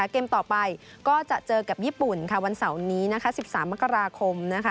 เกมต่อไปก็จะเจอกับญี่ปุ่นวันเสาร์นี้๑๓มกราคม